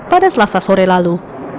pada selasa sore lalu